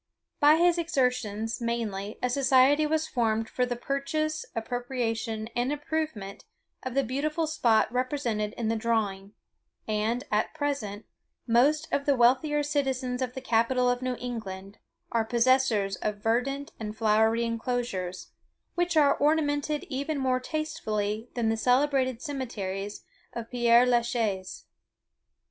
By his exertions, mainly, a society was formed for the purchase, appropriation, and improvement, of the beautiful spot represented in the drawing; and, at present, most of the wealthier citizens of the capital of New England are possessors of verdant and flowery enclosures, which are ornamented even more tastefully than the celebrated cemeteries of Père la Chaise.